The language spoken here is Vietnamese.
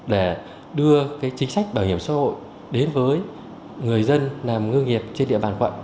để đưa chính sách bảo hiểm xã hội đến với người dân làm ngư nghiệp trên địa bàn quận